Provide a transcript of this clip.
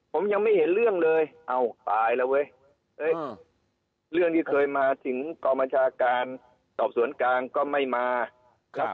ผมยังไม่เห็นเรื่องเลยเอ้าตายแล้วเว้ยเรื่องที่เคยมาถึงกองบัญชาการสอบสวนกลางก็ไม่มาครับ